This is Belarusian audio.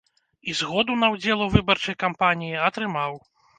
І згоду на ўдзел у выбарчай кампаніі атрымаў.